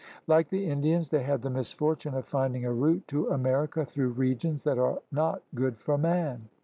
Like the Indians, they had the misfortune of finding a route to America through regions that are not good for man.